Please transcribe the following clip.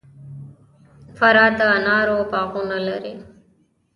فراه د انارو باغونه لري